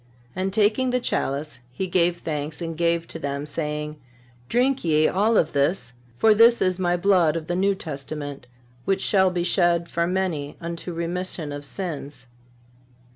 And taking the chalice, He gave thanks and gave to them, saying: Drink ye all of this; for this is My blood of the New Testament, which shall be shed for many unto remission of sins."